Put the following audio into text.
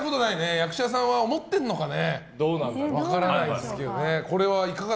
役者さんは、思ってるのかね。